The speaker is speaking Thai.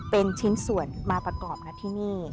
เป็นชิ้นส่วนมาประกอบนะที่นี่